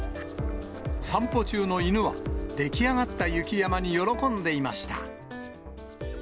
散歩中の犬は、出来上がった雪山に喜んでいました。